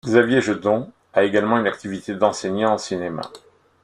Xavier Jeudon a également une activité d'enseignant en cinéma.